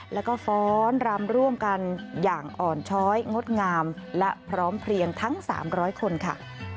แล้วก็ฟ้อนรำร่วมกันอย่างอ่อนช้อยงดงามและพร้อมเพลียงทั้ง๓๐๐คนค่ะ